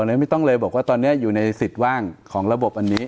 ไม่ต้องเลยบอกว่าตอนนี้อยู่ในสิทธิ์ว่างของระบบอันนี้